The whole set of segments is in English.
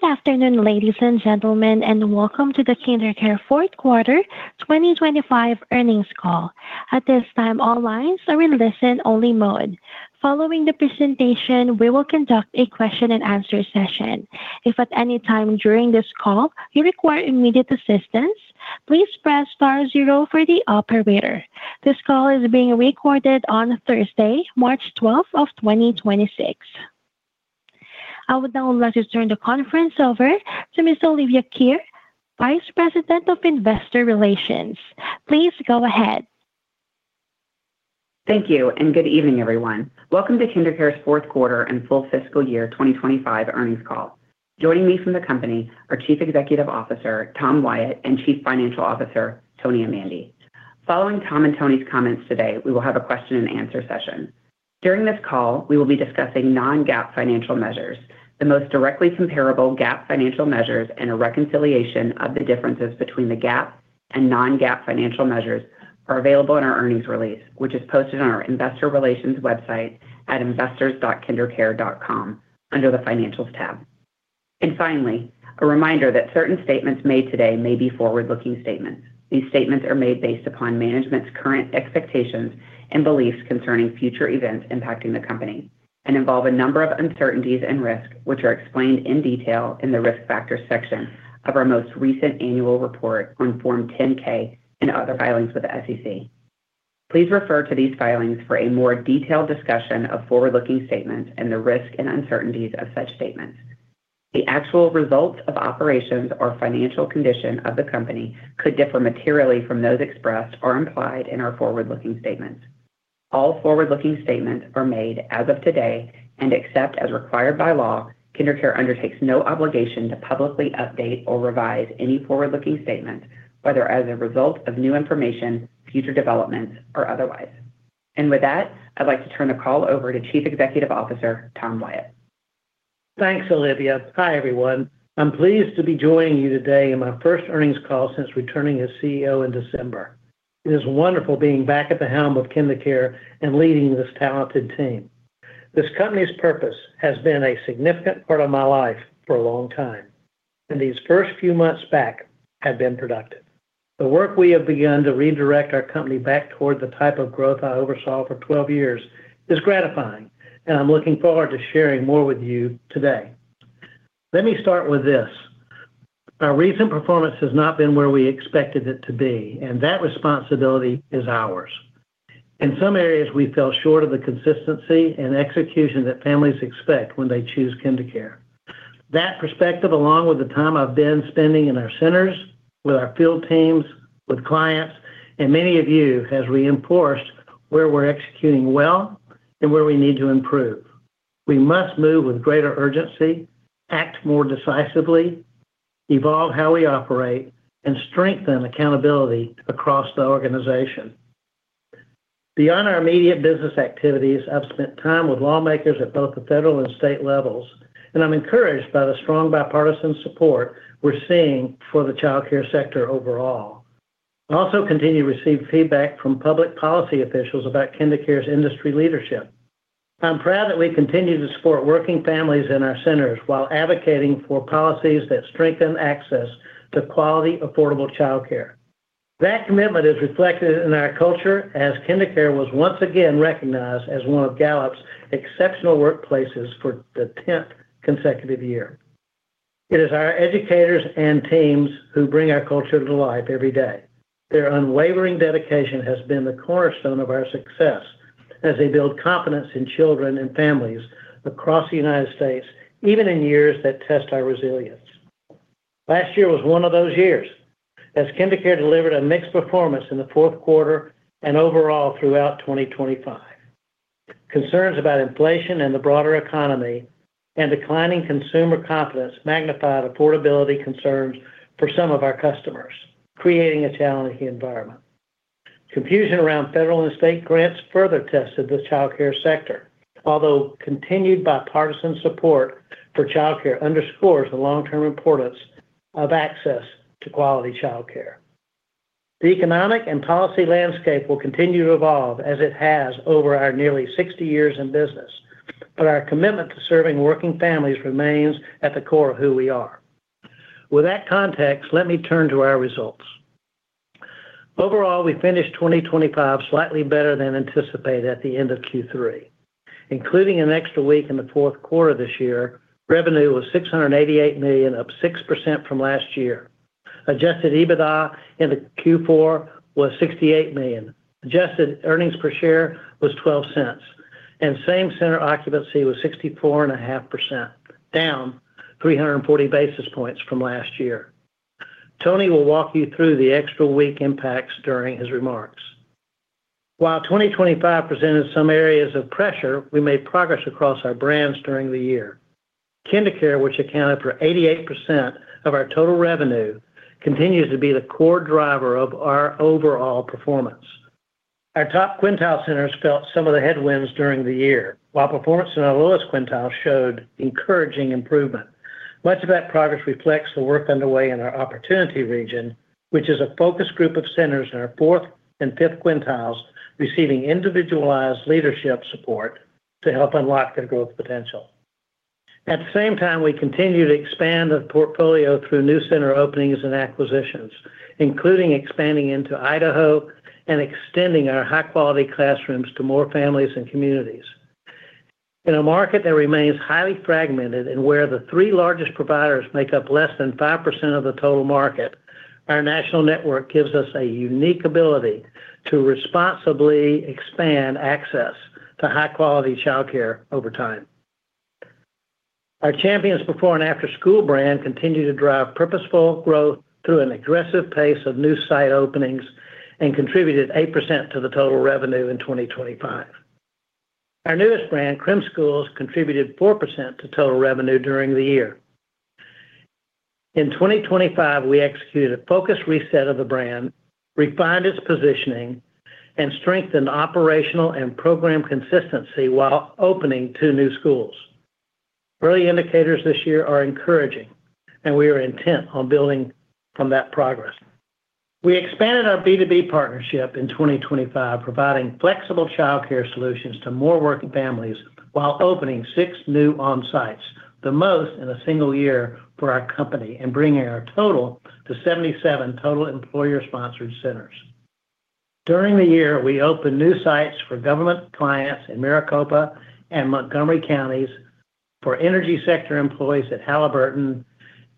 Good afternoon, ladies and gentlemen, and welcome to the KinderCare Q4 2025 Earnings Call. At this time, all lines are in listen-only mode. Following the presentation, we will conduct a question and answer session. If at any time during this call you require immediate assistance, please press star zero for the operator. This call is being recorded on Thursday, March 12, 2026. I would now like to turn the conference over to Ms. Olivia Kirrer, Vice President of Investor Relations. Please go ahead. Thank you, and good evening, everyone. Welcome to KinderCare's Q4 and full fiscal year 2025 earnings call. Joining me from the company are Chief Executive Officer, Tom Wyatt, and Chief Financial Officer, Tony Amandi. Following Tom and Tony's comments today, we will have a question and answer session. During this call, we will be discussing non-GAAP financial measures. The most directly comparable GAAP financial measures and a reconciliation of the differences between the GAAP and non-GAAP financial measures are available in our earnings release, which is posted on our investor relations website at investors.kindercare.com under the Financials tab. Finally, a reminder that certain statements made today may be forward-looking statements. These statements are made based upon management's current expectations and beliefs concerning future events impacting the company and involve a number of uncertainties and risks, which are explained in detail in the Risk Factors section of our most recent annual report on Form 10-K and other filings with the SEC. Please refer to these filings for a more detailed discussion of forward-looking statements and the risks and uncertainties of such statements. The actual results of operations or financial condition of the company could differ materially from those expressed or implied in our forward-looking statements. All forward-looking statements are made as of today, and except as required by law, KinderCare undertakes no obligation to publicly update or revise any forward-looking statement, whether as a result of new information, future developments, or otherwise. With that, I'd like to turn the call over to Chief Executive Officer, Tom Wyatt. Thanks, Olivia. Hi, everyone. I'm pleased to be joining you today in my first earnings call since returning as CEO in December. It is wonderful being back at the helm of KinderCare and leading this talented team. This company's purpose has been a significant part of my life for a long time, and these first few months back have been productive. The work we have begun to redirect our company back toward the type of growth I oversaw for 12 years is gratifying, and I'm looking forward to sharing more with you today. Let me start with this. Our recent performance has not been where we expected it to be, and that responsibility is ours. In some areas, we fell short of the consistency and execution that families expect when they choose KinderCare. That perspective, along with the time I've been spending in our centers, with our field teams, with clients, and many of you, has reinforced where we're executing well and where we need to improve. We must move with greater urgency, act more decisively, evolve how we operate, and strengthen accountability across the organization. Beyond our immediate business activities, I've spent time with lawmakers at both the federal and state levels, and I'm encouraged by the strong bipartisan support we're seeing for the childcare sector overall. I also continue to receive feedback from public policy officials about KinderCare's industry leadership. I'm proud that we continue to support working families in our centers while advocating for policies that strengthen access to quality, affordable childcare. That commitment is reflected in our culture as KinderCare was once again recognized as one of Gallup's exceptional workplaces for the tenth consecutive year. It is our educators and teams who bring our culture to life every day. Their unwavering dedication has been the cornerstone of our success as they build confidence in children and families across the United States, even in years that test our resilience. Last year was one of those years, as KinderCare delivered a mixed performance in the Q4 and overall throughout 2025. Concerns about inflation and the broader economy and declining consumer confidence magnified affordability concerns for some of our customers, creating a challenging environment. Confusion around federal and state grants further tested the childcare sector, although continued bipartisan support for childcare underscores the long-term importance of access to quality childcare. The economic and policy landscape will continue to evolve as it has over our nearly 60 years in business. Our commitment to serving working families remains at the core of who we are. With that context, let me turn to our results. Overall, we finished 2025 slightly better than anticipated at the end of Q3. Including an extra week in the Q4 this year, revenue was $688 million, up 6% from last year. Adjusted EBITDA in Q4 was $68 million. Adjusted earnings per share was $0.12, and same-center occupancy was 64.5%, down 340 basis points from last year. Tony will walk you through the extra week impacts during his remarks. While 2025 presented some areas of pressure, we made progress across our brands during the year. KinderCare, which accounted for 88% of our total revenue, continues to be the core driver of our overall performance. Our top quintile centers felt some of the headwinds during the year, while performance in our lowest quintile showed encouraging improvement. Much of that progress reflects the work underway in our opportunity region, which is a focus group of centers in our fourth and fifth quintiles receiving individualized leadership support to help unlock their growth potential. At the same time, we continue to expand the portfolio through new center openings and acquisitions, including expanding into Idaho and extending our high-quality classrooms to more families and communities. In a market that remains highly fragmented and where the three largest providers make up less than 5% of the total market, our national network gives us a unique ability to responsibly expand access to high-quality childcare over time. Our Champions before- and after-school brand continue to drive purposeful growth through an aggressive pace of new site openings and contributed 8% to the total revenue in 2025. Our newest brand, Crème de la Crème, contributed 4% to total revenue during the year. In 2025, we executed a focused reset of the brand, refined its positioning, and strengthened operational and program consistency while opening two new schools. Early indicators this year are encouraging, and we are intent on building from that progress. We expanded our B2B partnership in 2025, providing flexible childcare solutions to more working families while opening six new on-sites, the most in a single year for our company, and bringing our total to 77 total employer-sponsored centers. During the year, we opened new sites for government clients in Maricopa and Montgomery counties for energy sector employees at Halliburton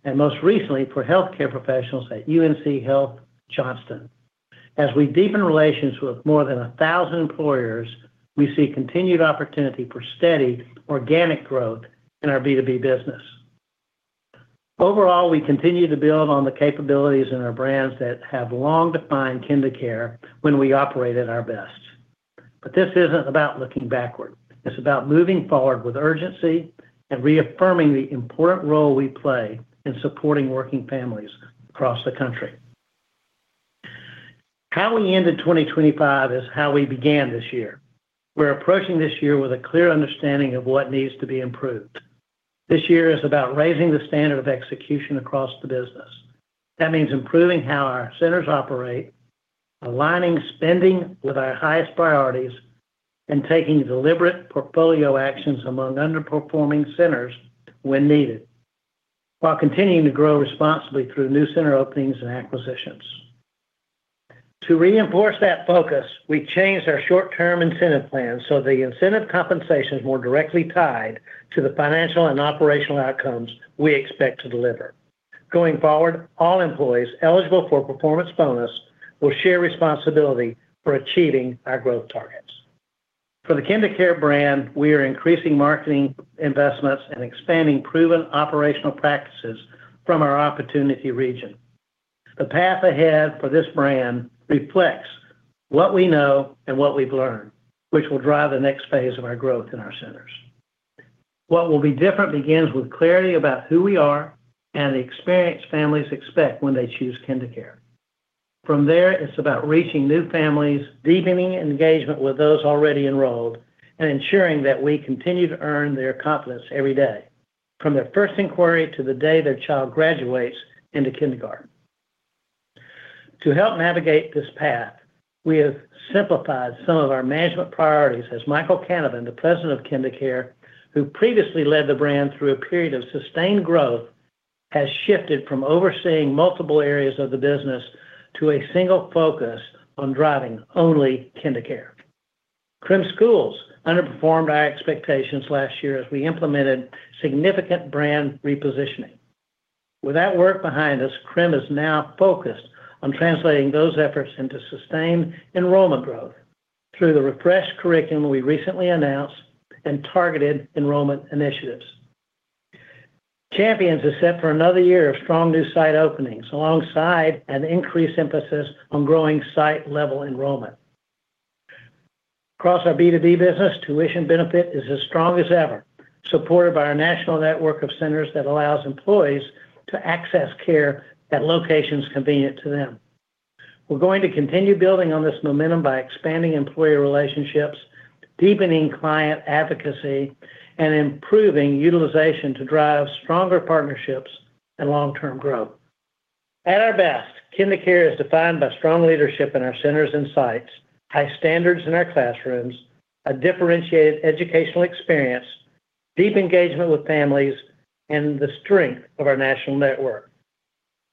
and most recently for healthcare professionals at UNC Health Johnston. As we deepen relations with more than 1,000 employers, we see continued opportunity for steady organic growth in our B2B business. Overall, we continue to build on the capabilities in our brands that have long defined KinderCare when we operate at our best. This isn't about looking backward. It's about moving forward with urgency and reaffirming the important role we play in supporting working families across the country. How we ended 2025 is how we began this year. We're approaching this year with a clear understanding of what needs to be improved. This year is about raising the standard of execution across the business. That means improving how our centers operate, aligning spending with our highest priorities, and taking deliberate portfolio actions among underperforming centers when needed, while continuing to grow responsibly through new center openings and acquisitions. To reinforce that focus, we changed our short-term incentive plan, so the incentive compensation is more directly tied to the financial and operational outcomes we expect to deliver. Going forward, all employees eligible for performance bonus will share responsibility for achieving our growth targets. For the KinderCare brand, we are increasing marketing investments and expanding proven operational practices from our opportunity region. The path ahead for this brand reflects what we know and what we've learned, which will drive the next phase of our growth in our centers. What will be different begins with clarity about who we are and the experience families expect when they choose KinderCare. From there, it's about reaching new families, deepening engagement with those already enrolled, and ensuring that we continue to earn their confidence every day, from their first inquiry to the day their child graduates into kindergarten. To help navigate this path, we have simplified some of our management priorities as Michael Canavan, the President of KinderCare, who previously led the brand through a period of sustained growth, has shifted from overseeing multiple areas of the business to a single focus on driving only KinderCare. Crème Schools underperformed our expectations last year as we implemented significant brand repositioning. With that work behind us, Crème is now focused on translating those efforts into sustained enrollment growth through the refreshed curriculum we recently announced and targeted enrollment initiatives. Champions is set for another year of strong new site openings, alongside an increased emphasis on growing site-level enrollment. Across our B2B business, tuition benefit is as strong as ever, supported by our national network of centers that allows employees to access care at locations convenient to them. We're going to continue building on this momentum by expanding employer relationships, deepening client advocacy, and improving utilization to drive stronger partnerships and long-term growth. At our best, KinderCare is defined by strong leadership in our centers and sites, high standards in our classrooms, a differentiated educational experience, deep engagement with families, and the strength of our national network.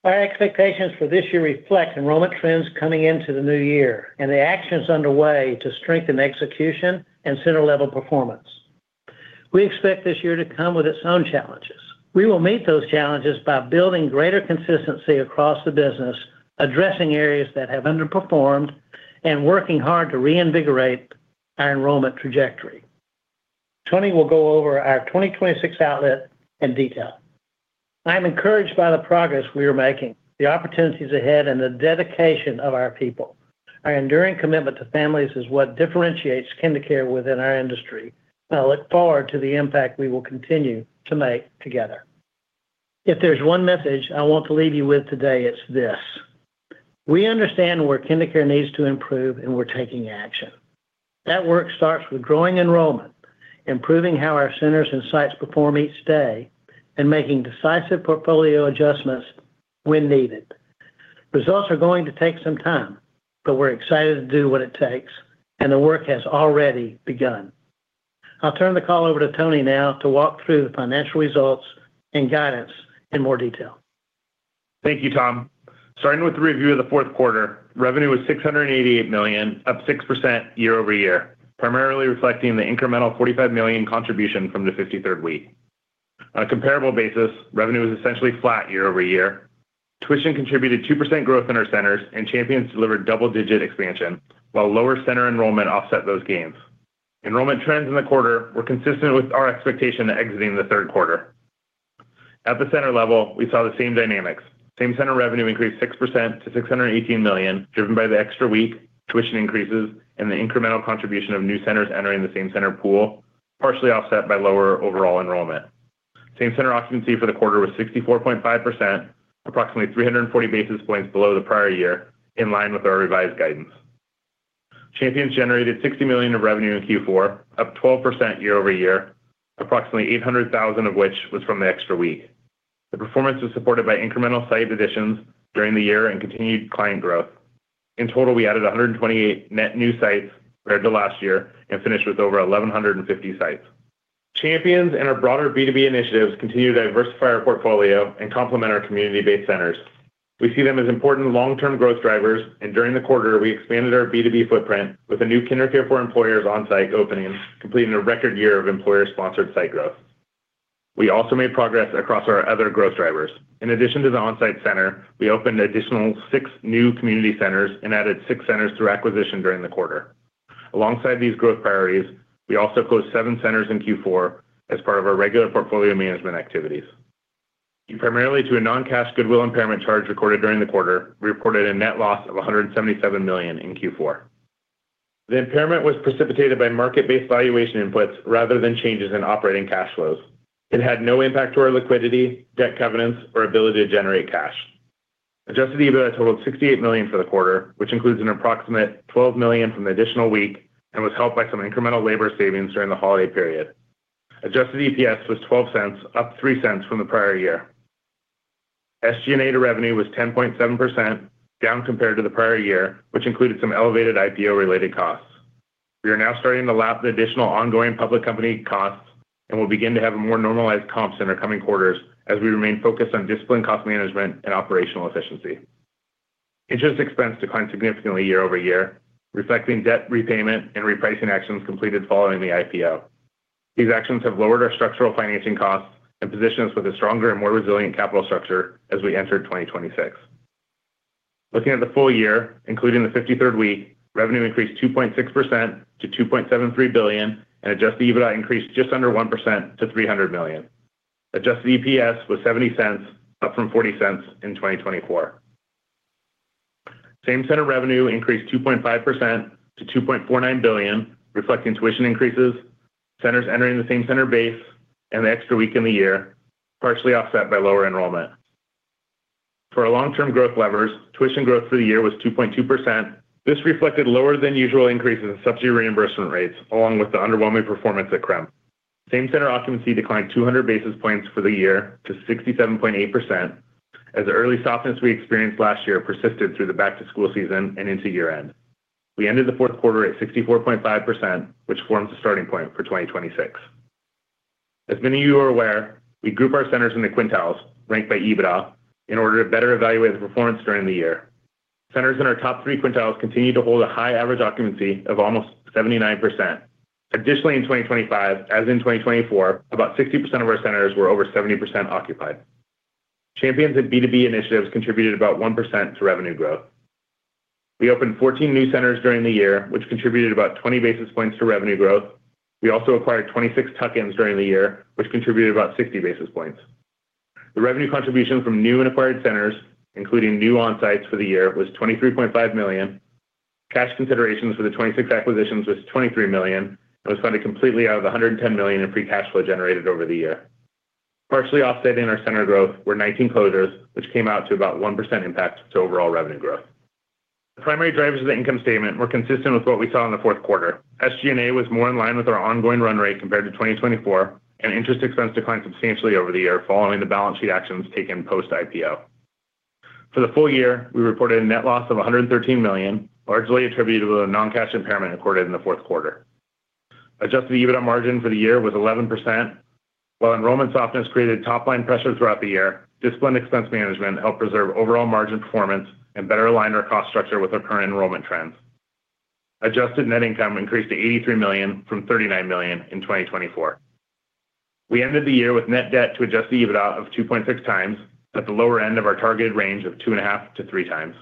Our expectations for this year reflect enrollment trends coming into the new year and the actions underway to strengthen execution and center-level performance. We expect this year to come with its own challenges. We will meet those challenges by building greater consistency across the business, addressing areas that have underperformed, and working hard to reinvigorate our enrollment trajectory. Tony will go over our 2026 outlook in detail. I am encouraged by the progress we are making, the opportunities ahead, and the dedication of our people. Our enduring commitment to families is what differentiates KinderCare within our industry. I look forward to the impact we will continue to make together. If there's one message I want to leave you with today, it's this. We understand where KinderCare needs to improve, and we're taking action. That work starts with growing enrollment, improving how our centers and sites perform each day, and making decisive portfolio adjustments when needed. Results are going to take some time, but we're excited to do what it takes, and the work has already begun. I'll turn the call over to Tony now to walk through the financial results and guidance in more detail. Thank you, Tom. Starting with the review of the Q4, revenue was $688 million, up 6% year-over-year, primarily reflecting the incremental $45 million contribution from the 53rd week. On a comparable basis, revenue was essentially flat year-over-year. Tuition contributed 2% growth in our centers, and Champions delivered double-digit expansion, while lower center enrollment offset those gains. Enrollment trends in the quarter were consistent with our expectation exiting the Q3. At the center level, we saw the same dynamics. Same-center revenue increased 6% to $618 million, driven by the extra week, tuition increases, and the incremental contribution of new centers entering the same-center pool, partially offset by lower overall enrollment. Same-center occupancy for the quarter was 64.5%, approximately 340 basis points below the prior year, in line with our revised guidance. Champions generated $60 million of revenue in Q4, up 12% year-over-year, approximately $800,000 of which was from the extra week. The performance was supported by incremental site additions during the year and continued client growth. In total, we added 128 net new sites compared to last year and finished with over 1,150 sites. Champions and our broader B2B initiatives continue to diversify our portfolio and complement our community-based centers. We see them as important long-term growth drivers, and during the quarter, we expanded our B2B footprint with a new KinderCare for Employers on-site opening, completing a record year of employer-sponsored site growth. We also made progress across our other growth drivers. In addition to the on-site center, we opened additional six new community centers and added six centers through acquisition during the quarter. Alongside these growth priorities, we also closed seven centers in Q4 as part of our regular portfolio management activities. Primarily due to a non-cash goodwill impairment charge recorded during the quarter, we reported a net loss of $177 million in Q4. The impairment was precipitated by market-based valuation inputs rather than changes in operating cash flows. It had no impact to our liquidity, debt covenants, or ability to generate cash. Adjusted EBITDA totaled $68 million for the quarter, which includes an approximate $12 million from the additional week and was helped by some incremental labor savings during the holiday period. Adjusted EPS was $0.12, up $0.03 from the prior year. SG&A to revenue was 10.7%, down compared to the prior year, which included some elevated IPO-related costs. We are now starting to lap the additional ongoing public company costs and will begin to have a more normalized comp set in coming quarters as we remain focused on disciplined cost management and operational efficiency. Interest expense declined significantly year-over-year, reflecting debt repayment and repricing actions completed following the IPO. These actions have lowered our structural financing costs and position us with a stronger and more resilient capital structure as we enter 2026. Looking at the full year, including the fifty-third week, revenue increased 2.6% to $2.73 billion, and Adjusted EBITDA increased just under 1% to $300 million. Adjusted EPS was $0.70, up from $0.40 in 2024. Same-center revenue increased 2.5% to $2.49 billion, reflecting tuition increases, centers entering the same-center base, and the extra week in the year, partially offset by lower enrollment. For our long-term growth levers, tuition growth for the year was 2.2%. This reflected lower than usual increases in subsidy reimbursement rates, along with the underwhelming performance at Crème. Same-center occupancy declined 200 basis points for the year to 67.8%, as the early softness we experienced last year persisted through the back-to-school season and into year-end. We ended the Q4 at 64.5%, which forms the starting point for 2026. As many of you are aware, we group our centers into quintiles, ranked by EBITDA, in order to better evaluate the performance during the year. Centers in our top three quintiles continued to hold a high average occupancy of almost 79%. Additionally, in 2025, as in 2024, about 60% of our centers were over 70% occupied. Champions and B2B initiatives contributed about 1% to revenue growth. We opened 14 new centers during the year, which contributed about 20 basis points to revenue growth. We also acquired 26 tuck-ins during the year, which contributed about 60 basis points. The revenue contribution from new and acquired centers, including new onsites for the year, was $23.5 million. Cash considerations for the 26 acquisitions was $23 million and was funded completely out of the $110 million in free cash flow generated over the year. Partially offsetting our center growth were 19 closures, which came out to about 1% impact to overall revenue growth. The primary drivers of the income statement were consistent with what we saw in the Q4. SG&A was more in line with our ongoing run rate compared to 2024, and interest expense declined substantially over the year following the balance sheet actions taken post-IPO. For the full year, we reported a net loss of $113 million, largely attributable to a non-cash impairment recorded in the Q4. Adjusted EBITDA margin for the year was 11%. While enrollment softness created top-line pressure throughout the year, disciplined expense management helped preserve overall margin performance and better align our cost structure with our current enrollment trends. Adjusted net income increased to $83 million from $39 million in 2024. We ended the year with net debt to Adjusted EBITDA of 2.6x at the lower end of our targeted range of 2.5x-3x,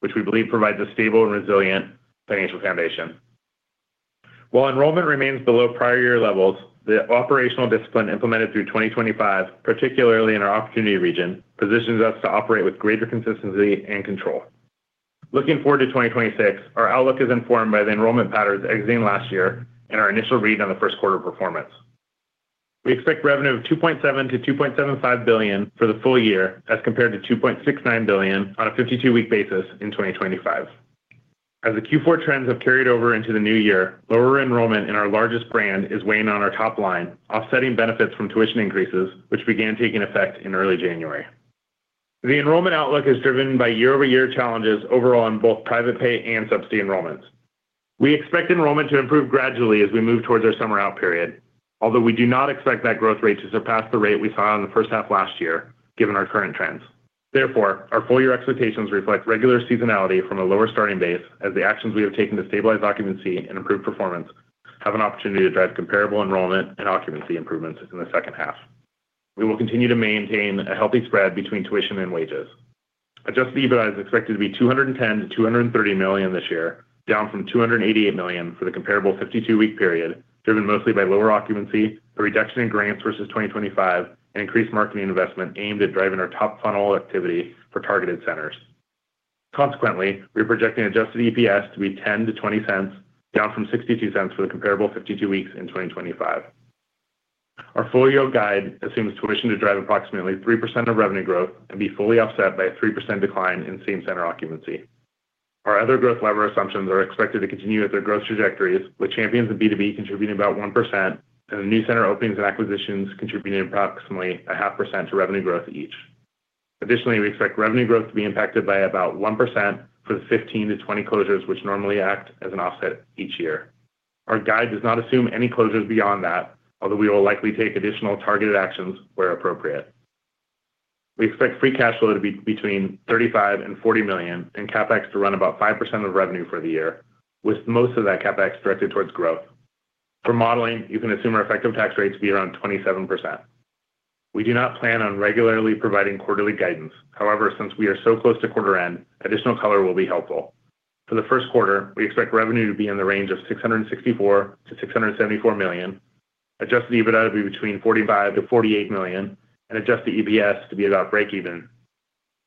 which we believe provides a stable and resilient financial foundation. While enrollment remains below prior year levels, the operational discipline implemented through 2025, particularly in our opportunity region, positions us to operate with greater consistency and control. Looking forward to 2026, our outlook is informed by the enrollment patterns exiting last year and our initial read on the Q1 performance. We expect revenue of $2.7 billion-$2.75 billion for the full year as compared to $2.69 billion on a 52-week basis in 2025. As the Q4 trends have carried over into the new year, lower enrollment in our largest brand is weighing on our top line, offsetting benefits from tuition increases, which began taking effect in early January. The enrollment outlook is driven by year-over-year challenges overall in both private pay and subsidy enrollments. We expect enrollment to improve gradually as we move towards our summer out period, although we do not expect that growth rate to surpass the rate we saw in the first half last year, given our current trends. Therefore, our full-year expectations reflect regular seasonality from a lower starting base as the actions we have taken to stabilize occupancy and improve performance have an opportunity to drive comparable enrollment and occupancy improvements in the second half. We will continue to maintain a healthy spread between tuition and wages. Adjusted EBITDA is expected to be $210 million-$230 million this year, down from $288 million for the comparable 52-week period, driven mostly by lower occupancy, a reduction in grants versus 2025, and increased marketing investment aimed at driving our top funnel activity for targeted centers. Consequently, we're projecting Adjusted EPS to be $0.10-$0.20, down from $0.62 for the comparable 52 weeks in 2025. Our full-year guide assumes tuition to drive approximately 3% of revenue growth and be fully offset by a 3% decline in same-center occupancy. Our other growth lever assumptions are expected to continue at their growth trajectories, with Champions and B2B contributing about 1% and the new center openings and acquisitions contributing approximately 0.5% to revenue growth each. Additionally, we expect revenue growth to be impacted by about 1% for the 15-20 closures which normally act as an offset each year. Our guide does not assume any closures beyond that, although we will likely take additional targeted actions where appropriate. We expect free cash flow to be between $35 million and $40 million, and CapEx to run about 5% of revenue for the year, with most of that CapEx directed towards growth. For modeling, you can assume our effective tax rate to be around 27%. We do not plan on regularly providing quarterly guidance. However, since we are so close to quarter end, additional color will be helpful. For the Q1, we expect revenue to be in the range of $664 million-$674 million, Adjusted EBITDA to be between $45 million-$48 million, and Adjusted EPS to be about breakeven.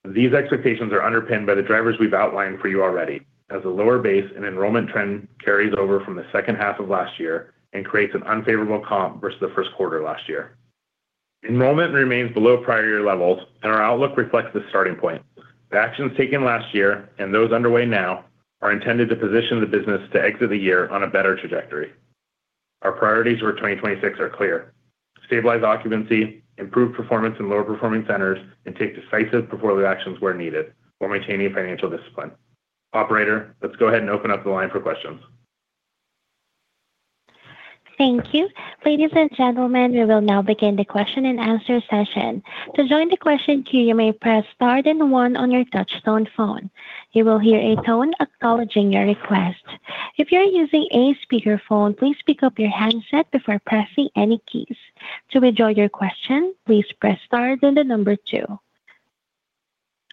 These expectations are underpinned by the drivers we've outlined for you already, as a lower base and enrollment trend carries over from the second half of last year and creates an unfavorable comp versus the Q1 last year. Enrollment remains below prior year levels, and our outlook reflects the starting point. The actions taken last year and those underway now are intended to position the business to exit the year on a better trajectory. Our priorities for 2026 are clear, stabilize occupancy, improve performance in lower-performing centers, and take decisive portfolio actions where needed while maintaining financial discipline. Operator, let's go ahead and open up the line for questions. Thank you. Ladies and gentlemen, we will now begin the question-and-answer session. To join the question queue, you may press star then one on your touchtone phone. You will hear a tone acknowledging your request. If you're using a speakerphone, please pick up your handset before pressing any keys. To withdraw your question, please press star then the number two.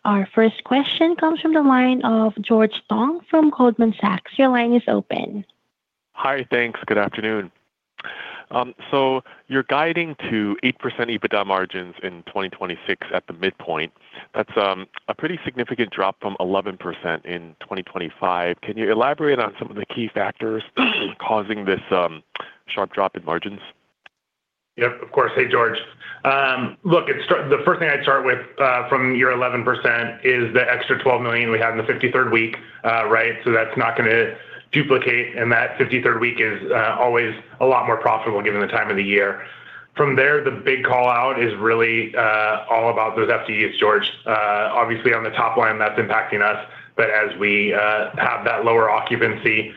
Our first question comes from the line of George Tong from Goldman Sachs. Your line is open. Hi. Thanks. Good afternoon. You're guiding to 8% EBITDA margins in 2026 at the midpoint. That's a pretty significant drop from 11% in 2025. Can you elaborate on some of the key factors causing this sharp drop in margins? Yep, of course. Hey, George. Look, the first thing I'd start with, from your 11% is the extra $12 million we had in the 53rd week, right? That's not gonna duplicate, and that 53rd week is always a lot more profitable given the time of the year. From there, the big call-out is really all about those FTEs, George. Obviously, on the top line, that's impacting us. As we have that lower occupancy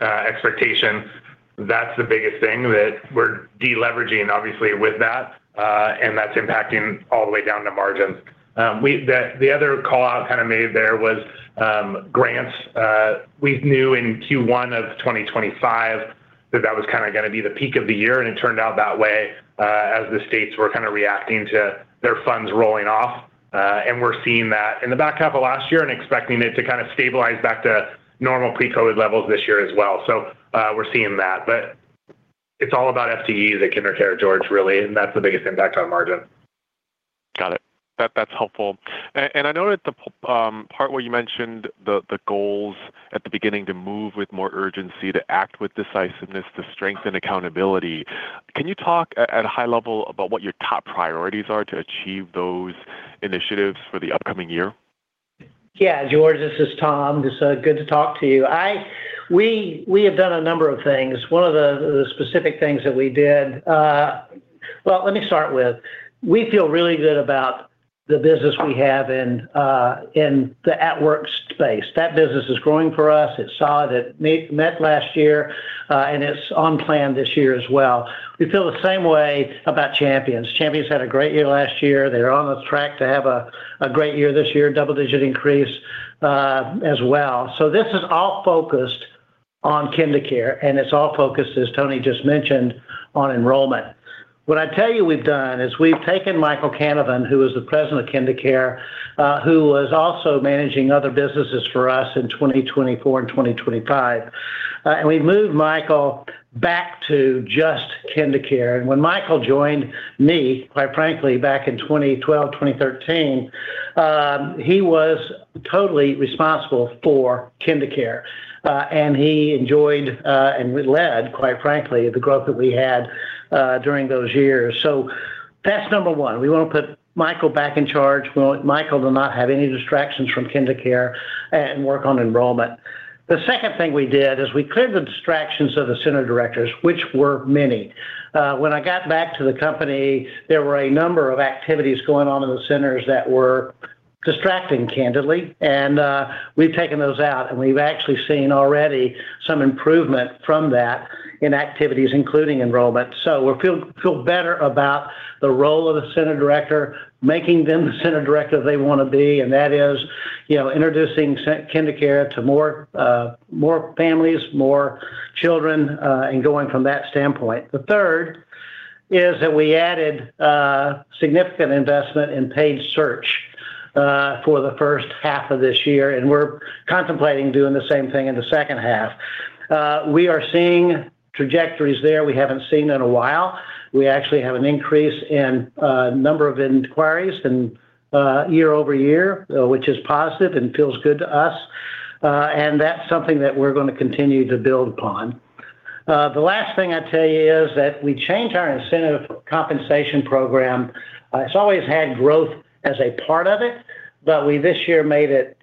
expectations, that's the biggest thing that we're deleveraging, obviously, with that, and that's impacting all the way down to margins. The other call-out kind of made there was grants. We knew in Q1 of 2025 that that was kinda gonna be the peak of the year, and it turned out that way, as the states were kinda reacting to their funds rolling off. We're seeing that in the back half of last year and expecting it to kind of stabilize back to normal pre-COVID levels this year as well. We're seeing that. It's all about FTEs at KinderCare, George, really, and that's the biggest impact on margin. Got it. That, that's helpful. I know that the part where you mentioned the goals at the beginning to move with more urgency, to act with decisiveness, to strengthen accountability, can you talk at a high level about what your top priorities are to achieve those initiatives for the upcoming year? Yeah, George, this is Tom. Just good to talk to you. We have done a number of things. One of the specific things that we did. Well, let me start with, we feel really good about the business we have in the at-work space. That business is growing for us. It's solid. It met last year, and it's on plan this year as well. We feel the same way about Champions. Champions had a great year last year. They're on track to have a great year this year, double-digit increase, as well. This is all focused on KinderCare, and it's all focused, as Tony just mentioned, on enrollment. What I tell you we've done is we've taken Michael Canavan, who is the president of KinderCare, who was also managing other businesses for us in 2024 and 2025, and we moved Michael back to just KinderCare. When Michael joined me, quite frankly, back in 2012, 2013, he was totally responsible for KinderCare. He enjoyed and led, quite frankly, the growth that we had during those years. That's number one. We want to put Michael back in charge. We want Michael to not have any distractions from KinderCare and work on enrollment. The second thing we did is we cleared the distractions of the center directors, which were many. When I got back to the company, there were a number of activities going on in the centers that were distracting, candidly, and we've taken those out, and we've actually seen already some improvement from that in activities including enrollment. We feel better about the role of the center director, making them the center director they wanna be, and that is, you know, introducing KinderCare to more families, more children, and going from that standpoint. The third is that we added significant investment in paid search for the first half of this year, and we're contemplating doing the same thing in the second half. We are seeing trajectories there we haven't seen in a while. We actually have an increase in number of inquiries in year-over-year, which is positive and feels good to us, and that's something that we're gonna continue to build upon. The last thing I'd tell you is that we changed our incentive compensation program. It's always had growth as a part of it, but we this year made it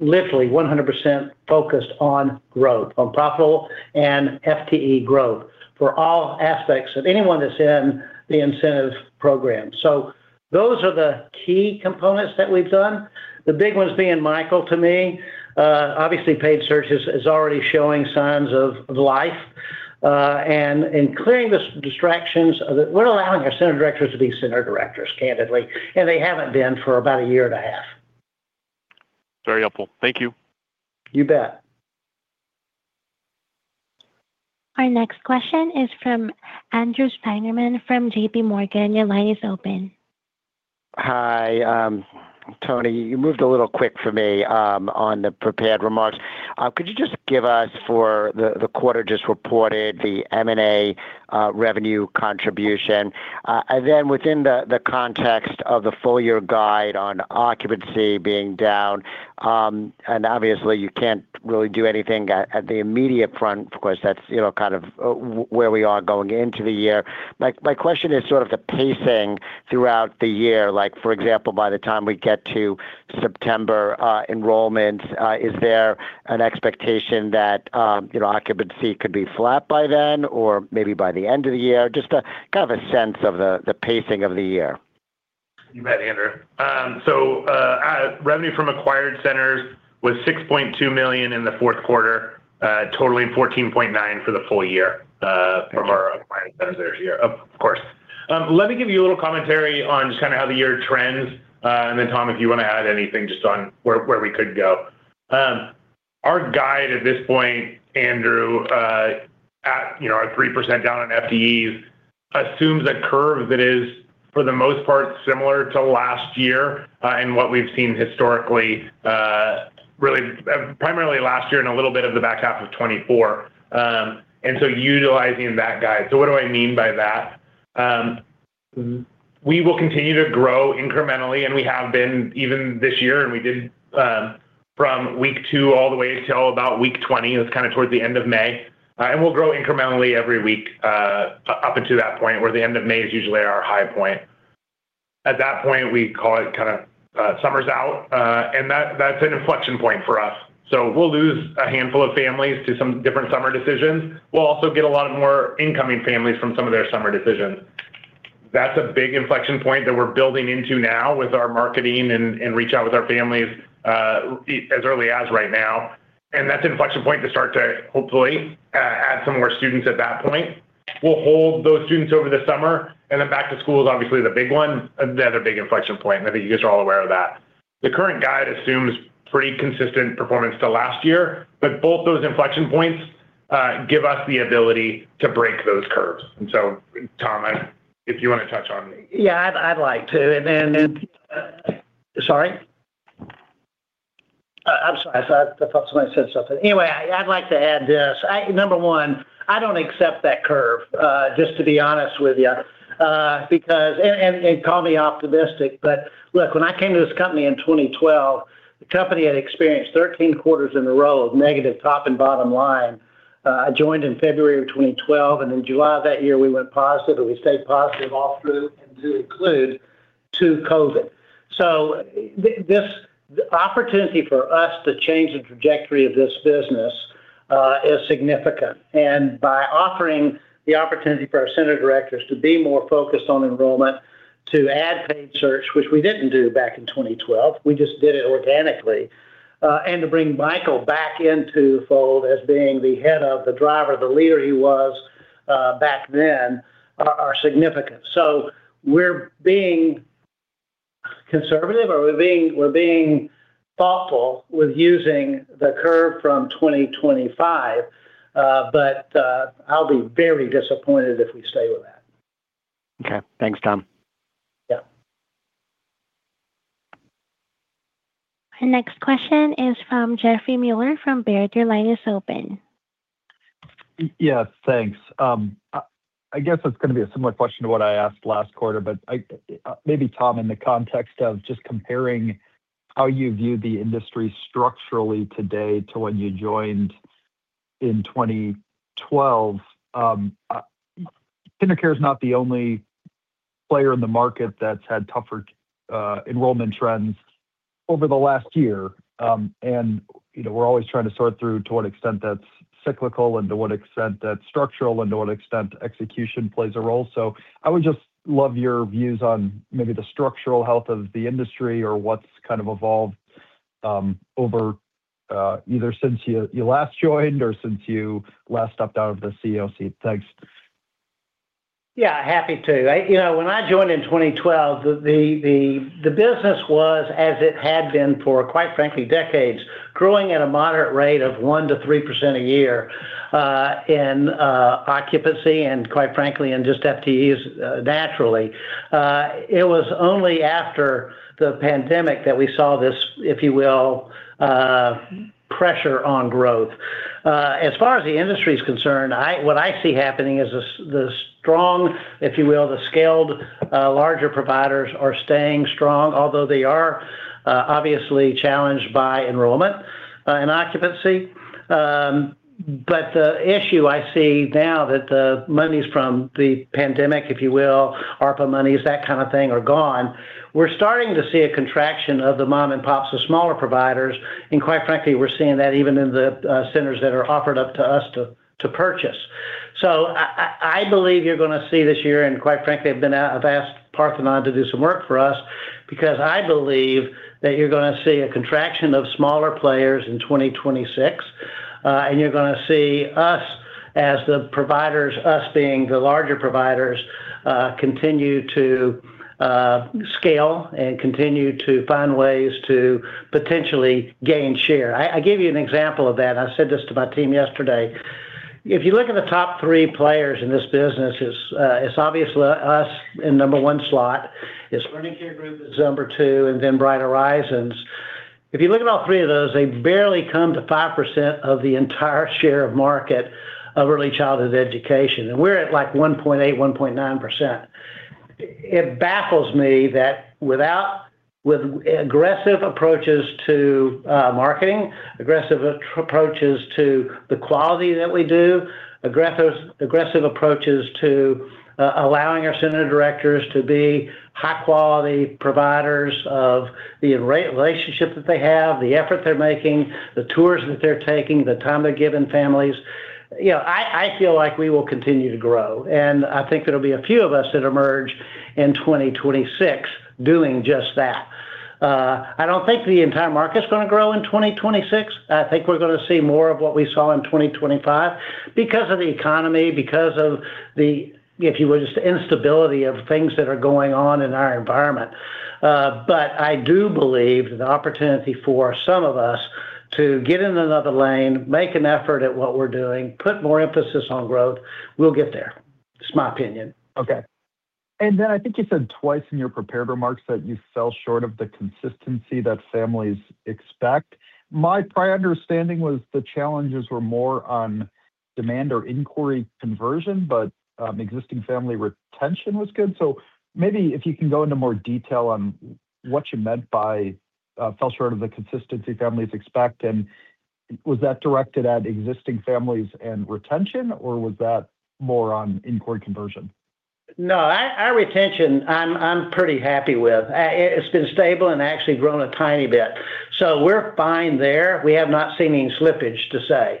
literally 100% focused on growth, on profitable and FTE growth for all aspects of anyone that's in the incentive program. Those are the key components that we've done, the big ones being, Michael, to me. Obviously, paid search is already showing signs of life. In clearing the distractions, we're allowing our center directors to be center directors, candidly, and they haven't been for about a year and a half. Very helpful. Thank you. You bet. Our next question is from Andrew Steinerman from JPMorgan. Your line is open. Hi, Tony. You moved a little quick for me on the prepared remarks. Could you just give us for the quarter just reported the M&A revenue contribution? And then within the context of the full year guide on occupancy being down, and obviously you can't really do anything at the immediate front. Of course, that's, you know, kind of where we are going into the year. My question is sort of the pacing throughout the year. Like for example, by the time we get to September, enrollment, is there an expectation that, you know, occupancy could be flat by then or maybe by the end of the year? Just a kind of a sense of the pacing of the year. You bet, Andrew. Revenue from acquired centers was $6.2 million in the Q4, totaling $14.9 million for the full year. Thank you. From our acquired centers here. Of course. Let me give you a little commentary on just kinda how the year trends, and then Tom, if you wanna add anything just on where we could go. Our guide at this point, Andrew, you know, our 3% down on FTEs assumes a curve that is for the most part similar to last year, and what we've seen historically, really, primarily last year and a little bit of the back half of 2024, and so utilizing that guide. What do I mean by that? We will continue to grow incrementally and we have been even this year and we did, from week 2 all the way till about week 20. It was kinda towards the end of May. We'll grow incrementally every week, up until that point where the end of May is usually our high point. At that point, we call it kinda, summer's out, and that's an inflection point for us. We'll lose a handful of families to some different summer decisions. We'll also get a lot more incoming families from some of their summer decisions. That's a big inflection point that we're building into now with our marketing and reach out with our families, as early as right now. That's inflection point to start to hopefully add some more students at that point. We'll hold those students over the summer and then back to school is obviously the big one. Another big inflection point, I think you guys are all aware of that. The current guide assumes pretty consistent performance to last year, but both those inflection points give us the ability to break those curves. Tom, if you wanna touch on it. Yeah. I'd like to. Sorry? I'm sorry. I thought someone said something. Anyway, I'd like to add this. Number one, I don't accept that curve just to be honest with you because and call me optimistic, but look, when I came to this company in 2012, the company had experienced 13 quarters in a row of negative top and bottom line. I joined in February of 2012, and in July of that year we went positive, and we stayed positive all through and to include through COVID. The opportunity for us to change the trajectory of this business is significant. By offering the opportunity for our center directors to be more focused on enrollment, to add paid search, which we didn't do back in 2012, we just did it organically, and to bring Michael back into the fold as being the head, the driver, the leader he was back then, are significant. We're being conservative or we're being thoughtful with using the curve from 2025, but I'll be very disappointed if we stay with that. Okay. Thanks, Tom. Yeah. Our next question is from Jeffrey Meuler from Baird. Your line is open. Yes, thanks. I guess it's gonna be a similar question to what I asked last quarter, but maybe Tom, in the context of just comparing how you view the industry structurally today to when you joined in 2012, KinderCare is not the only player in the market that's had tougher enrollment trends over the last year. You know, we're always trying to sort through to what extent that's cyclical and to what extent that's structural and to what extent execution plays a role. I would just love your views on maybe the structural health of the industry or what's kind of evolved over either since you last joined or since you last stepped out of the CEO seat. Thanks. Yeah, happy to. You know, when I joined in 2012, the business was, as it had been for, quite frankly, decades, growing at a moderate rate of 1%-3% a year, in occupancy and quite frankly, in just FTEs, naturally. It was only after the pandemic that we saw this, if you will, pressure on growth. As far as the industry is concerned, what I see happening is the strong, if you will, the scaled, larger providers are staying strong, although they are obviously challenged by enrollment and occupancy. The issue I see now that the monies from the pandemic, if you will, ARPA monies, that kind of thing, are gone. We're starting to see a contraction of the mom-and-pops, the smaller providers, and quite frankly, we're seeing that even in the centers that are offered up to us to purchase. I believe you're gonna see this year, and quite frankly, I've asked EY-Parthenon to do some work for us because I believe that you're gonna see a contraction of smaller players in 2026. You're gonna see us as the providers, us being the larger providers, continue to scale and continue to find ways to potentially gain share. I gave you an example of that. I said this to my team yesterday. If you look at the top three players in this business, it's obviously us in number one slot. It's Learning Care Group that's number two, and then Bright Horizons. If you look at all three of those, they barely come to 5% of the entire share of market of early childhood education, and we're at, like, 1.8, 1.9%. It baffles me that with aggressive approaches to marketing, aggressive approaches to the quality that we do, aggressive approaches to allowing our center directors to be high-quality providers of the relationship that they have, the effort they're making, the tours that they're taking, the time they're giving families. You know, I feel like we will continue to grow, and I think there'll be a few of us that emerge in 2026 doing just that. I don't think the entire market's gonna grow in 2026. I think we're gonna see more of what we saw in 2025 because of the economy, because of the, if you will, just instability of things that are going on in our environment. I do believe the opportunity for some of us to get in another lane, make an effort at what we're doing, put more emphasis on growth, we'll get there. Just my opinion. Okay. Then I think you said twice in your prepared remarks that you fell short of the consistency that families expect. My prior understanding was the challenges were more on demand or inquiry conversion, but existing family retention was good. Maybe if you can go into more detail on what you meant by fell short of the consistency families expect, and was that directed at existing families and retention, or was that more on inquiry conversion? No. Our retention, I'm pretty happy with. It's been stable and actually grown a tiny bit. We're fine there. We have not seen any slippage to say.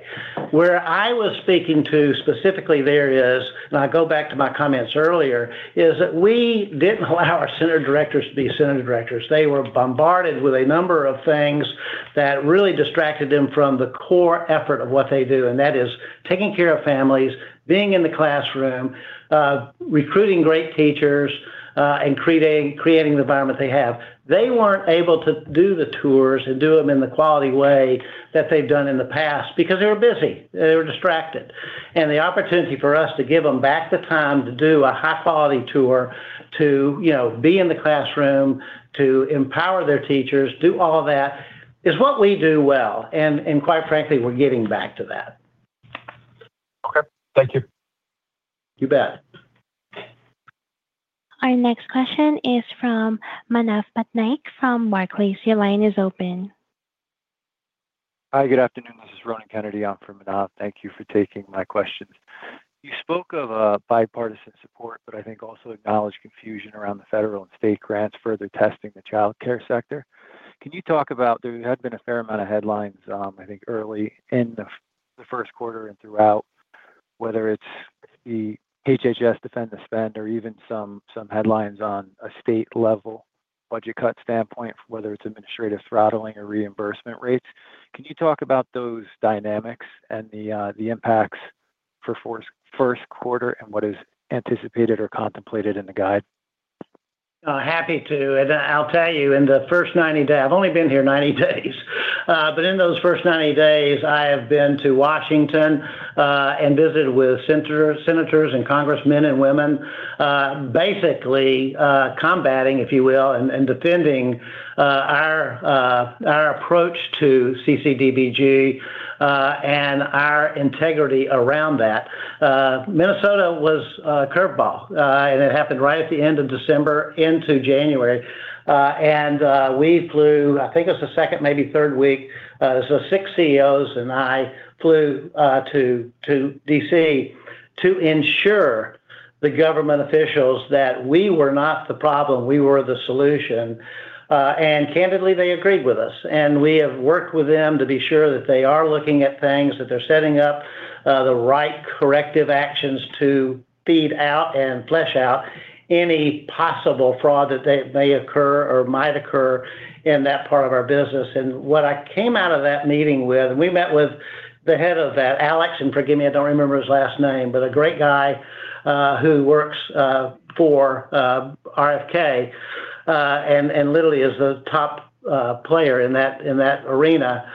Where I was speaking to specifically there is, and I go back to my comments earlier, is that we didn't allow our center directors to be center directors. They were bombarded with a number of things that really distracted them from the core effort of what they do, and that is taking care of families, being in the classroom, recruiting great teachers, and creating the environment they have. They weren't able to do the tours and do them in the quality way that they've done in the past because they were busy, they were distracted. The opportunity for us to give them back the time to do a high-quality tour, to, you know, be in the classroom, to empower their teachers, do all that, is what we do well. Quite frankly, we're getting back to that. Okay. Thank you. You bet. Our next question is from Manav Patnaik from Barclays. Your line is open. Hi, good afternoon, this is Ronan Kennedy on for Manav. Thank you for taking my questions. You spoke of bipartisan support, but I think also acknowledged confusion around the federal and state grants further testing the child care sector. Can you talk about... There had been a fair amount of headlines, I think early in the Q1 and throughout, whether it's the HHS Defend to Spend or even some headlines on a state-level budget cut standpoint, whether it's administrative throttling or reimbursement rates. Can you talk about those dynamics and the impacts for Q1 and what is anticipated or contemplated in the guide? Happy to. I'll tell you, in the first 90 days. I've only been here 90 days. In those first 90 days, I have been to Washington, and visited with senators and congressmen and women, basically, combating, if you will, and defending our approach to CCDBG, and our integrity around that. Minnesota was a curveball, and it happened right at the end of December into January. We flew, I think it was the second, maybe third week. 6 CEOs and I flew to D.C. to ensure the government officials that we were not the problem, we were the solution. Candidly, they agreed with us. We have worked with them to be sure that they are looking at things, that they're setting up the right corrective actions to ferret out any possible fraud that they may occur or might occur in that part of our business. What I came out of that meeting with, we met with the head of that, Alex, and forgive me, I don't remember his last name, but a great guy who works for RFK and literally is the top player in that arena.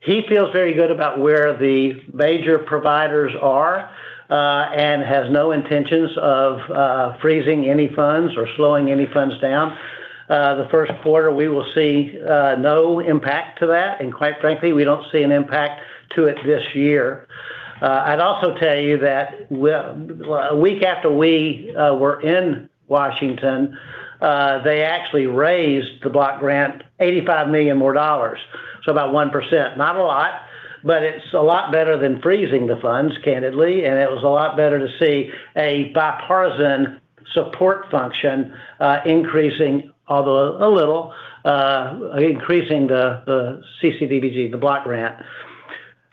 He feels very good about where the major providers are and has no intentions of freezing any funds or slowing any funds down. The Q1, we will see no impact to that. Quite frankly, we don't see an impact to it this year. I'd also tell you that a week after we were in Washington, they actually raised the block grant $85 million more dollars, so about 1%. Not a lot, but it's a lot better than freezing the funds, candidly. It was a lot better to see bipartisan support function increasing, although a little, increasing the CCDBG, the block grant.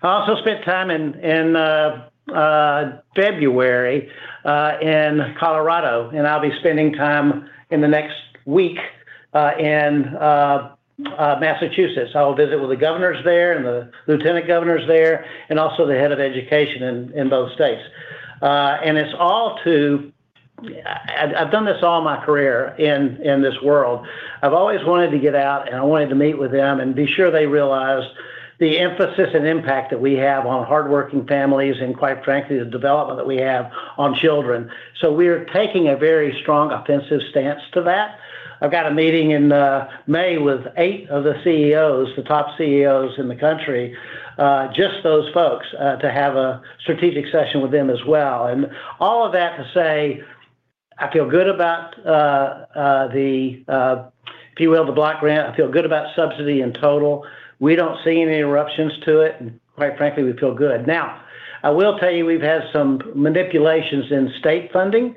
I also spent time in February in Colorado, and I'll be spending time in the next week in Massachusetts. I'll visit with the governors there and the lieutenant governors there and also the head of education in both states. It's all to I've done this all my career in this world. I've always wanted to get out, and I wanted to meet with them and be sure they realized the emphasis and impact that we have on hardworking families and, quite frankly, the development that we have on children. We're taking a very strong offensive stance to that. I've got a meeting in May with 8 of the CEOs, the top CEOs in the country, just those folks, to have a strategic session with them as well. All of that to say I feel good about, if you will, the block grant. I feel good about subsidy in total. We don't see any interruptions to it. Quite frankly, we feel good. Now, I will tell you we've had some manipulations in state funding.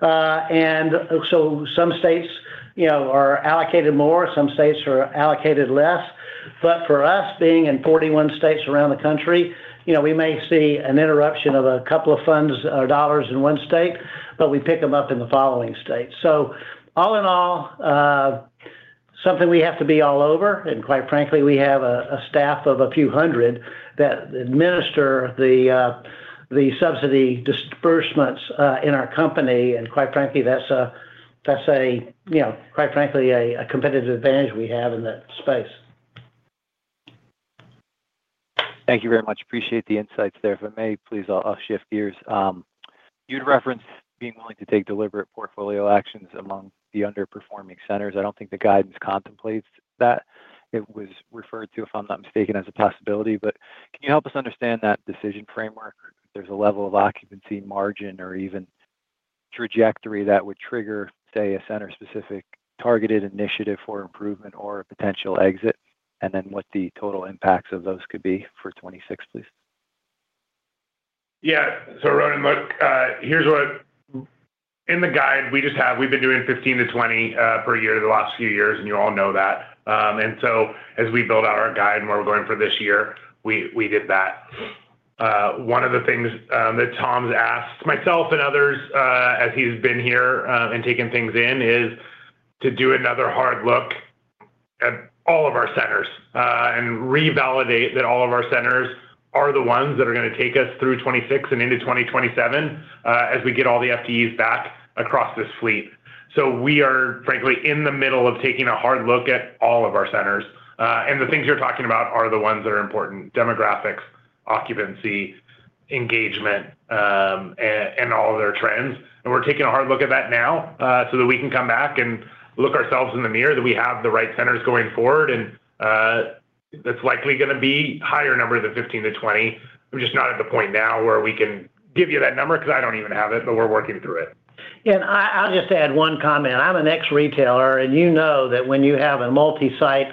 Some states, you know, are allocated more, some states are allocated less. for us, being in 41 states around the country, you know, we may see an interruption of a couple of funds or dollars in one state, but we pick them up in the following state. All in all, something we have to be all over. Quite frankly, we have a staff of a few hundred that administer the subsidy disbursements in our company. Quite frankly, that's a competitive advantage we have in that space. Thank you very much. Appreciate the insights there. If I may, please, I'll shift gears. You'd referenced being willing to take deliberate portfolio actions among the underperforming centers. I don't think the guidance contemplates that. It was referred to, if I'm not mistaken, as a possibility. Can you help us understand that decision framework? There's a level of occupancy margin or even trajectory that would trigger, say, a center-specific targeted initiative for improvement or a potential exit, and then what the total impacts of those could be for 2026, please. Yeah. Ronan, look. In the guide, we just have. We've been doing 15-20 per year the last few years, and you all know that. As we build out our guide and where we're going for this year, we did that. One of the things that Tom's asked myself and others, as he's been here and taking things in, is to do another hard look at all of our centers and revalidate that all of our centers are the ones that are gonna take us through 2026 and into 2027, as we get all the FTEs back across this fleet. We are, frankly, in the middle of taking a hard look at all of our centers. The things you're talking about are the ones that are important, demographics, occupancy, engagement, and all of their trends. We're taking a hard look at that now, so that we can come back and look ourselves in the mirror that we have the right centers going forward. That's likely gonna be higher number than 15-20. We're just not at the point now where we can give you that number because I don't even have it, but we're working through it. I'll just add one comment. I'm an ex-retailer, and you know that when you have a multi-site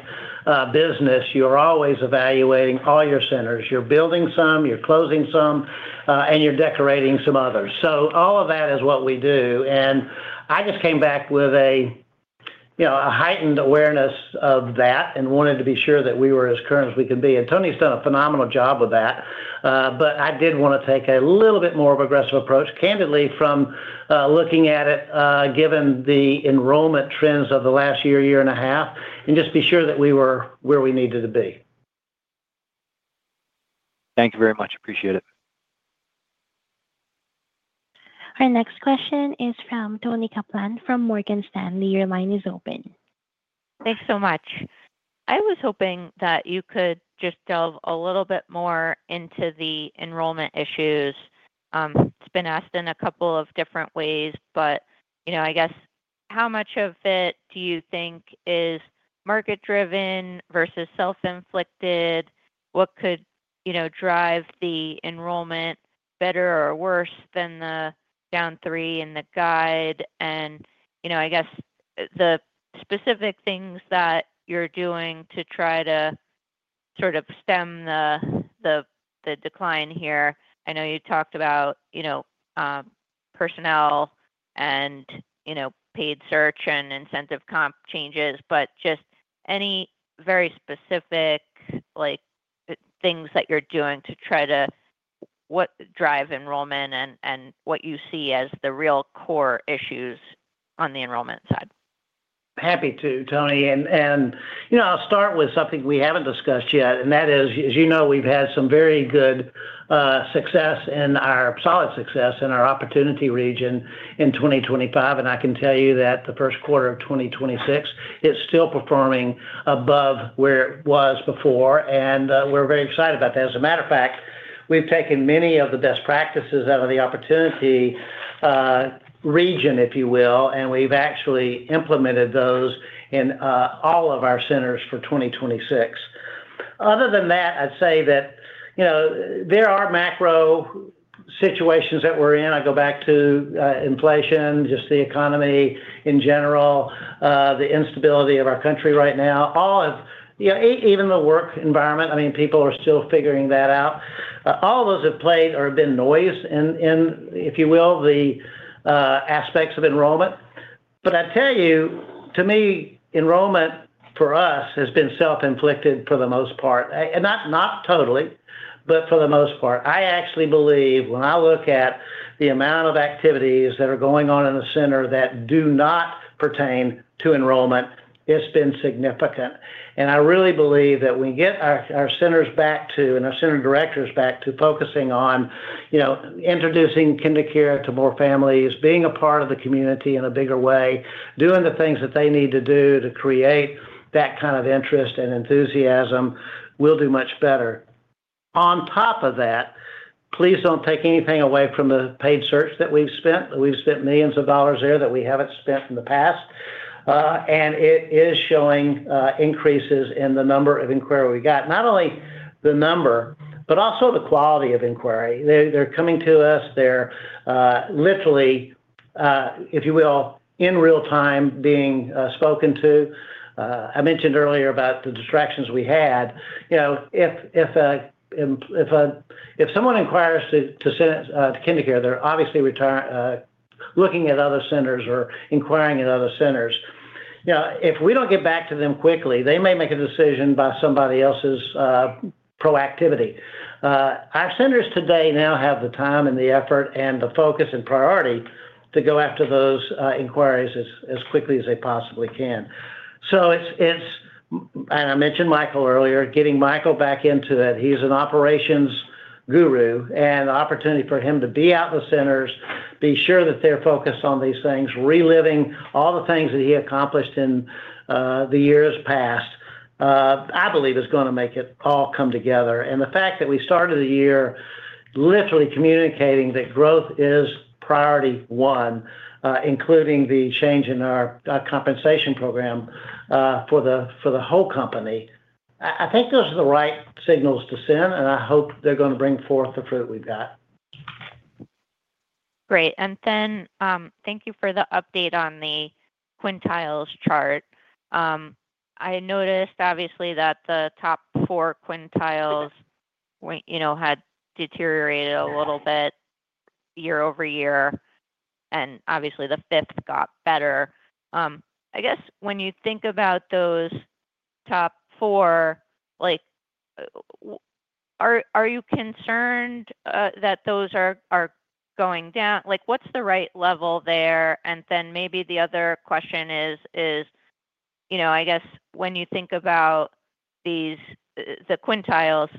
business, you're always evaluating all your centers. You're building some, you're closing some, and you're decorating some others. All of that is what we do. I just came back with a you know, a heightened awareness of that and wanted to be sure that we were as current as we could be. Tony's done a phenomenal job with that. I did wanna take a little bit more aggressive approach, candidly, from looking at it, given the enrollment trends of the last year and a half, and just be sure that we were where we needed to be. Thank you very much. Appreciate it. Our next question is from Toni Kaplan from Morgan Stanley. Your line is open. Thanks so much. I was hoping that you could just delve a little bit more into the enrollment issues. It's been asked in a couple of different ways, but, you know, I guess how much of it do you think is market-driven versus self-inflicted? What could, you know, drive the enrollment better or worse than the down 3% in the guide? You know, I guess the specific things that you're doing to try to sort of stem the decline here. I know you talked about, you know, personnel and, you know, paid search and incentive comp changes, but just any very specific, like, things that you're doing to try to drive enrollment and what you see as the real core issues on the enrollment side. Happy to, Toni. You know, I'll start with something we haven't discussed yet, that is, as you know, we've had some very good success in our—solid success in our opportunity region in 2025. I can tell you that the Q1 of 2026 is still performing above where it was before, and we're very excited about that. As a matter of fact, we've taken many of the best practices out of the opportunity region, if you will, and we've actually implemented those in all of our centers for 2026. Other than that, I'd say that, you know, there are macro situations that we're in. I go back to inflation, just the economy in general, the instability of our country right now. You know, even the work environment. I mean, people are still figuring that out. All those have played or been noise in, if you will, the aspects of enrollment. I tell you, to me, enrollment for us has been self-inflicted for the most part. Not totally, but for the most part. I actually believe when I look at the amount of activities that are going on in the center that do not pertain to enrollment, it's been significant. I really believe that we get our centers back to, and our center directors back to focusing on, you know, introducing KinderCare to more families, being a part of the community in a bigger way, doing the things that they need to do to create that kind of interest and enthusiasm will do much better. On top of that, please don't take anything away from the paid search that we've spent. We've spent millions of dollars there that we haven't spent in the past. It is showing increases in the number of inquiries we got. Not only the number, but also the quality of inquiries. They're coming to us. They're literally, if you will, in real time being spoken to. I mentioned earlier about the distractions we had. You know, if someone inquires to KinderCare, they're obviously looking at other centers or inquiring at other centers. You know, if we don't get back to them quickly, they may make a decision by somebody else's proactivity. Our centers today now have the time and the effort and the focus and priority to go after those inquiries as quickly as they possibly can. I mentioned Michael earlier, getting Michael back into that. He's an operations guru, and the opportunity for him to be at the centers, be sure that they're focused on these things, reliving all the things that he accomplished in the years past, I believe is gonna make it all come together. The fact that we started the year literally communicating that growth is priority one, including the change in our compensation program for the whole company, I think those are the right signals to send, and I hope they're gonna bring forth the fruit we've got. Great. Thank you for the update on the quintiles chart. I noticed obviously that the top four quintiles you know, had deteriorated a little bit year-over-year, and obviously, the fifth got better. I guess when you think about those top four, like, are you concerned that those are going down? Like, what's the right level there? Maybe the other question is, you know, I guess when you think about these quintiles,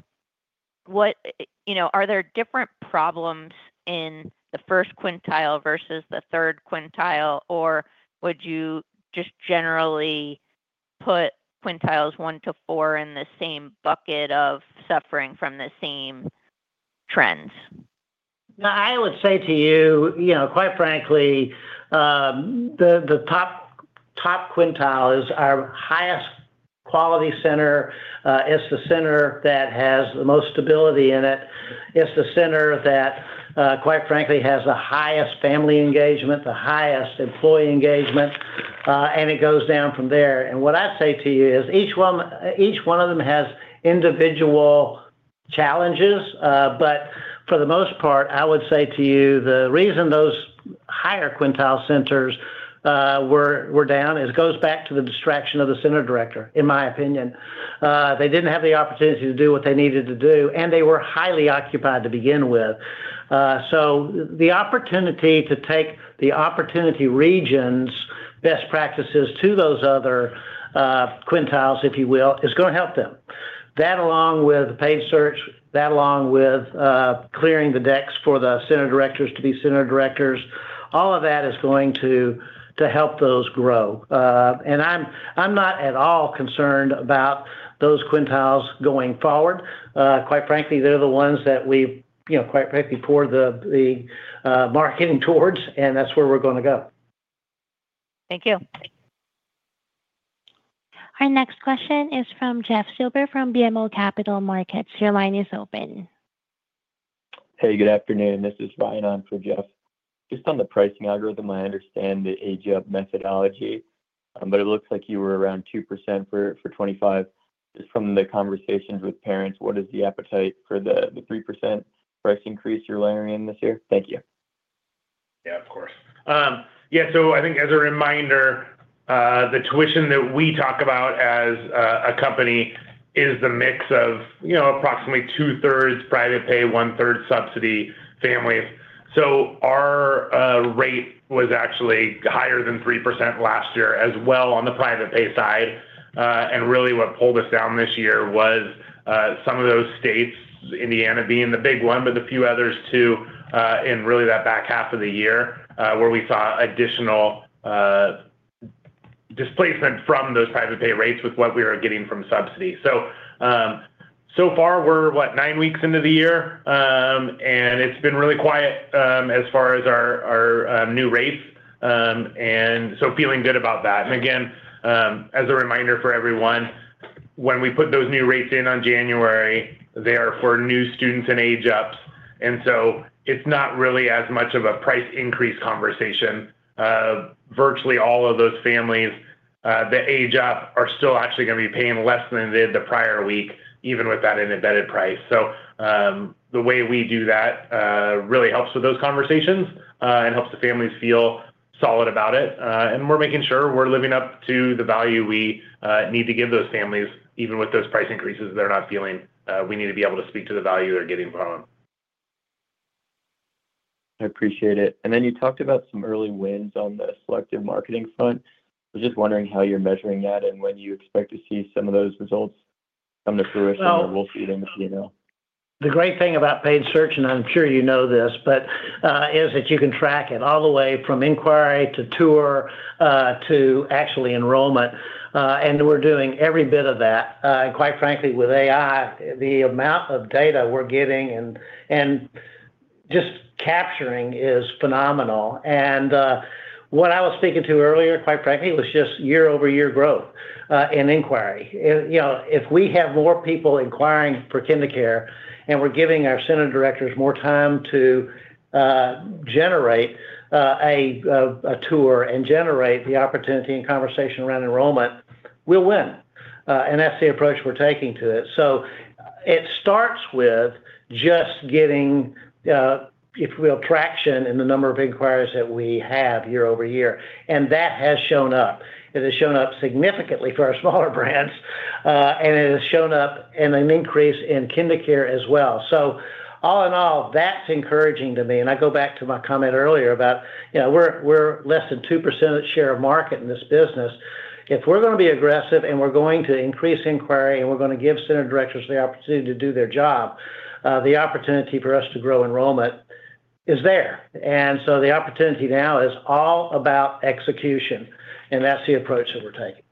you know, are there different problems in the first quintile versus the third quintile? Or would you just generally put quintiles one to four in the same bucket of suffering from the same trends? No, I would say to you know, quite frankly, the top quintile is our highest quality center. It's the center that has the most stability in it. It's the center that, quite frankly, has the highest family engagement, the highest employee engagement, and it goes down from there. What I'd say to you is each one of them has individual challenges. But for the most part, I would say to you, the reason those higher quintile centers were down is it goes back to the distraction of the center director, in my opinion. They didn't have the opportunity to do what they needed to do, and they were highly occupied to begin with. The opportunity to take the opportunity regions best practices to those other quintiles, if you will, is gonna help them. That along with paid search, clearing the decks for the center directors to be center directors, all of that is going to help those grow. I'm not at all concerned about those quintiles going forward. Quite frankly, they're the ones that we've, you know, quite frankly, poured the marketing towards, and that's where we're gonna go. Thank you. Our next question is from Jeff Silber from BMO Capital Markets. Your line is open. Hey, good afternoon. This is Ryan on for Jeff. Just on the pricing algorithm, I understand the age-based methodology, but it looks like you were around 2% for 25. Just from the conversations with parents, what is the appetite for the 3% price increase you're layering in this year? Thank you. Yeah, of course. I think as a reminder, the tuition that we talk about as a company is the mix of, you know, approximately 2/3 private pay, 1/3 subsidy families. Our rate was actually higher than 3% last year as well on the private pay side. Really what pulled us down this year was some of those states, Indiana being the big one, but a few others too, in really that back half of the year, where we saw additional displacement from those private pay rates with what we were getting from subsidy. So far, we're what, 9 weeks into the year, and it's been really quiet, as far as our new rates, and so feeling good about that. Again, as a reminder for everyone, when we put those new rates in on January, they are for new students and age ups. It's not really as much of a price increase conversation. Virtually all of those families, the age up are still actually gonna be paying less than they did the prior week, even with that in embedded price. The way we do that really helps with those conversations, and helps the families feel solid about it. We're making sure we're living up to the value we need to give those families, even with those price increases. They're not feeling we need to be able to speak to the value they're getting from 'em. I appreciate it. You talked about some early wins on the selective marketing front. I was just wondering how you're measuring that and when you expect to see some of those results come to fruition? Well- We'll see them, you know. The great thing about paid search, and I'm sure you know this, but, is that you can track it all the way from inquiry to tour, to actually enrollment. We're doing every bit of that. Quite frankly, with AI, the amount of data we're getting and just capturing is phenomenal. What I was speaking to earlier, quite frankly, was just year-over-year growth in inquiry. You know, if we have more people inquiring for KinderCare and we're giving our center directors more time to generate a tour and generate the opportunity and conversation around enrollment, we'll win. That's the approach we're taking to it. It starts with just getting if we have traction in the number of inquiries that we have year-over-year, and that has shown up. It has shown up significantly for our smaller brands, and it has shown up in an increase in KinderCare as well. All in all, that's encouraging to me. I go back to my comment earlier about, you know, we're less than 2% of the share of market in this business. If we're gonna be aggressive and we're going to increase inquiry, and we're gonna give center directors the opportunity to do their job, the opportunity for us to grow enrollment is there. The opportunity now is all about execution, and that's the approach that we're taking.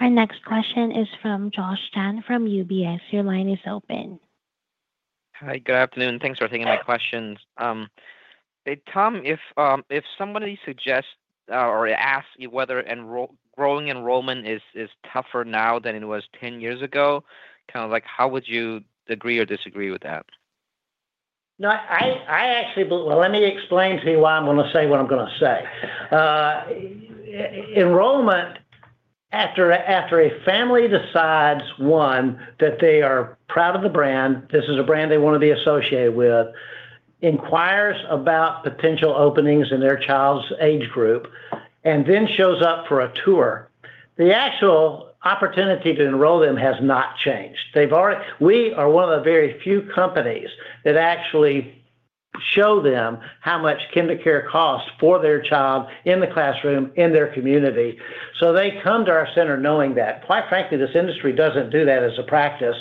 Our next question is from Josh Chan from UBS. Your line is open. Hi, good afternoon. Thanks for taking my questions. Hey, Tom, if somebody suggests or asks you whether growing enrollment is tougher now than it was 10 years ago, kind of like, how would you agree or disagree with that? Let me explain to you why I'm gonna say what I'm gonna say. Enrollment after a family decides, one, that they are proud of the brand. This is a brand they wanna be associated with. Inquires about potential openings in their child's age group, and then shows up for a tour. The actual opportunity to enroll them has not changed. We are one of the very few companies that actually show them how much KinderCare costs for their child in the classroom, in their community. So they come to our center knowing that. Quite frankly, this industry doesn't do that as a practice,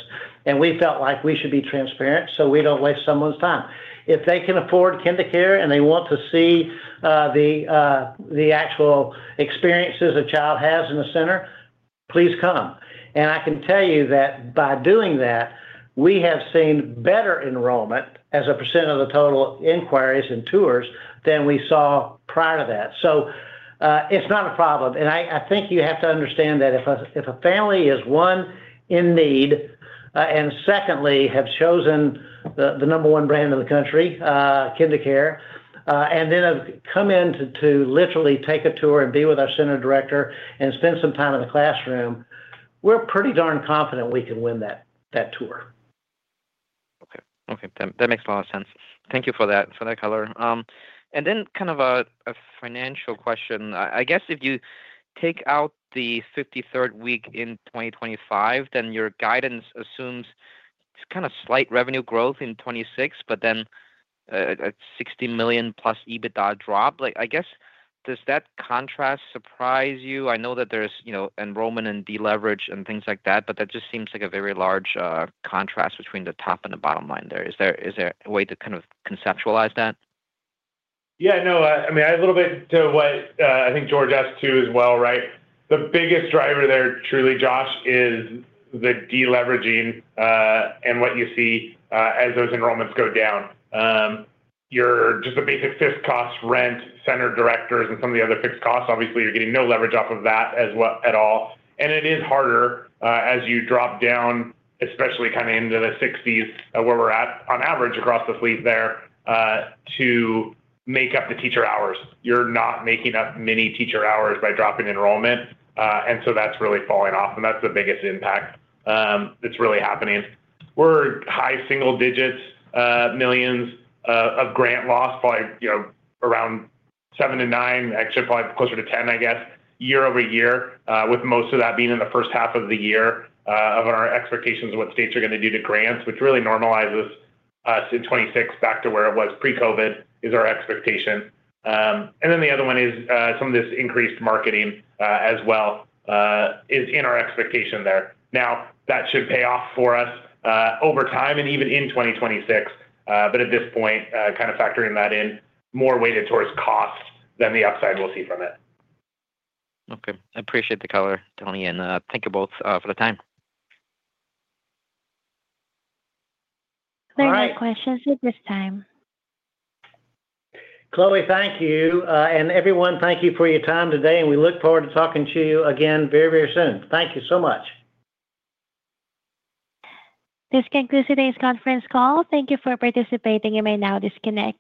and we felt like we should be transparent, so we don't waste someone's time. If they can afford KinderCare and they want to see the actual experiences a child has in the center, please come. I can tell you that by doing that, we have seen better enrollment as a % of the total inquiries and tours than we saw prior to that. It's not a problem. I think you have to understand that if a family is one, in need, and secondly, have chosen the number one brand in the country, KinderCare, and then have come in to literally take a tour and be with our center director and spend some time in the classroom, we're pretty darn confident we can win that tour. Okay. That makes a lot of sense. Thank you for that color. Kind of a financial question. I guess if you take out the 53rd week in 2025, then your guidance assumes kind of slight revenue growth in 2026, but then a $60 million+ EBITDA drop. Like, I guess, does that contrast surprise you? I know that there's, you know, enrollment and deleverage and things like that, but that just seems like a very large contrast between the top and the bottom line there. Is there a way to kind of conceptualize that? Yeah, no, I mean, a little bit to what I think George asked too as well, right? The biggest driver there truly, Josh, is the deleveraging, and what you see as those enrollments go down. You're just the basic fixed costs, rent, center directors, and some of the other fixed costs. Obviously, you're getting no leverage off of that as well at all. It is harder as you drop down, especially coming into the sixties, where we're at on average across the fleet there, to make up the teacher hours. You're not making up many teacher hours by dropping enrollment. That's really falling off, and that's the biggest impact that's really happening. We're high single digits millions of grant loss, you know, around 7-9, actually probably closer to 10, I guess, year-over-year, with most of that being in the first half of the year, of our expectations of what states are gonna do to grants, which really normalizes us in 2026 back to where it was pre-COVID is our expectation. The other one is some of this increased marketing as well is in our expectation there. Now, that should pay off for us over time and even in 2026. At this point, kind of factoring that in more weighted towards cost than the upside we'll see from it. Okay. I appreciate the color, Tony, and thank you both for the time. There are no questions at this time. Chloe, thank you. Everyone, thank you for your time today, and we look forward to talking to you again very, very soon. Thank you so much. This concludes today's conference call. Thank you for participating. You may now disconnect.